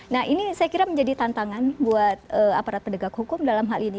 nah ini saya kira menjadi tantangan buat aparat pendegak hukum dalam hal ini